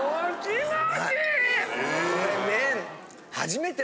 これ麺。